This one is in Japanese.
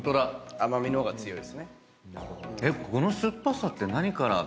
甘味の方が強いですね。